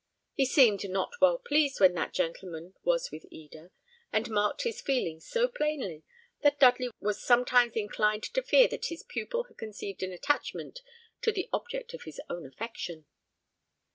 He seemed not well pleased when that gentleman was with Eda; and marked his feelings so plainly, that Dudley was sometimes inclined to fear that his pupil had conceived an attachment to the object of his own affection.